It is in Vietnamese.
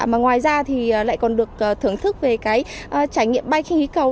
mà ngoài ra thì lại còn được thưởng thức về cái trải nghiệm bay khinh khí cầu